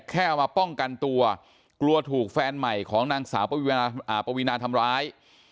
เอามาป้องกันตัวกลัวกลัวถูกแฟนใหม่ของนางสาวปวีนาทำร้าย